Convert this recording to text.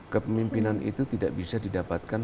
kepemimpinan itu tidak bisa didapatkan